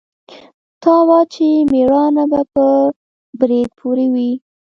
ته وا چې مېړانه به په برېت پورې وي.